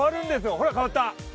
ほら変わった。